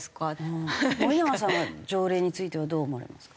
森永さんは条例についてはどう思われますか？